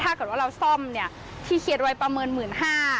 ถ้าเกิดว่าเราซ่อมเนี่ยที่เขียนไว้ประเมิน๑๕๐๐บาท